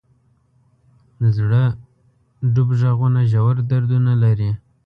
د زړه ډوب ږغونه ژور دردونه لري.